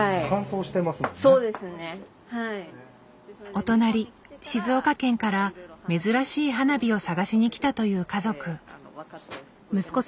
お隣静岡県から珍しい花火を探しにきたという家族。